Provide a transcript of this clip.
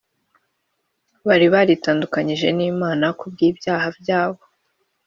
. Bari baritandukanyije n’Imana kubw’ibyaha byabo,